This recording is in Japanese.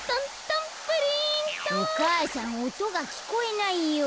お母さんおとがきこえないよ。